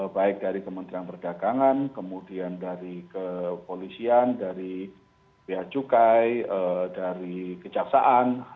baik dari kementerian perdagangan kemudian dari kepolisian dari pihak cukai dari kejaksaan